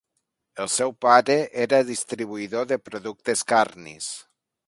El seu pare era distribuïdor de productes carnis.